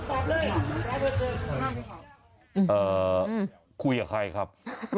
เอ่อคุยกับใครครับ